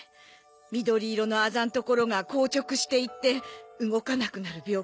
緑色のアザんところが硬直していって動かなくなる病気さ